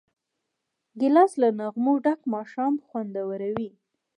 ګیلاس له نغمو ډک ماښام خوندوروي.